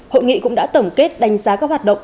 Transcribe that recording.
hội nghị cũng đã tổng kết đánh giá các hoạt động